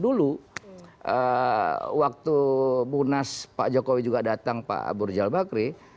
dulu waktu punas pak jokowi juga datang pak burj al bakri